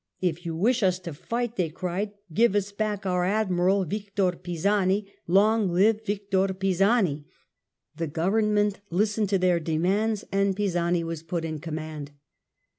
"If you wish us to fight," they cried, " give us back our Admiral Victor Pisani ; long live Vic tor Pisani !" The government listened to their demands 96 THE END OF THE MIDDLE AGE and Pisani was put in command.